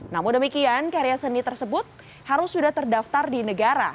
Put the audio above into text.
namun demikian karya seni tersebut harus sudah terdaftar di negara